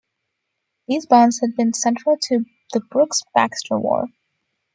These bonds had been central to the Brooks-Baxter War.